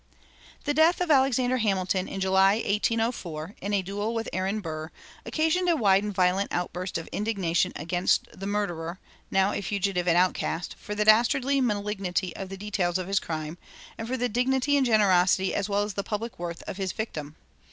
The death of Alexander Hamilton, in July, 1804, in a duel with Aaron Burr, occasioned a wide and violent outburst of indignation against the murderer, now a fugitive and outcast, for the dastardly malignity of the details of his crime, and for the dignity and generosity as well as the public worth of his victim.